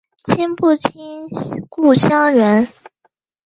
亲不亲故乡人